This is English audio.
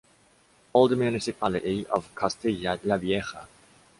Old municipality of Castilla la Vieja.